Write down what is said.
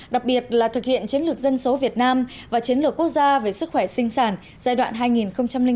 đặc biệt là thực hiện chiến lược dân số việt nam và chiến lược quốc gia về sức khỏe sinh sản giai đoạn hai nghìn một mươi sáu hai nghìn ba mươi